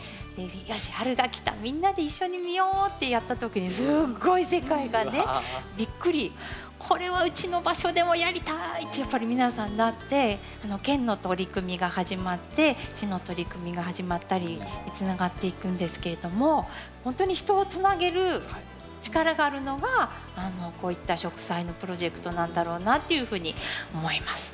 「よし春が来たみんなで一緒に見よう」ってやった時にすごい世界がねびっくりこれはうちの場所でもやりたいってやっぱり皆さんなって県の取り組みが始まって市の取り組みが始まったりつながっていくんですけれどもほんとに人をつなげる力があるのがこういった植栽のプロジェクトなんだろうなっていうふうに思います。